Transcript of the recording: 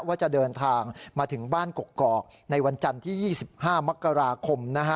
ว่าจะเดินทางมาถึงบ้านกกอกในวันจันทร์ที่๒๕มกราคม